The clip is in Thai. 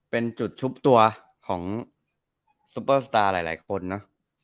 เป็นจุดชุบตัวของซุปเปอร์สตาร์หลายคนเนอะ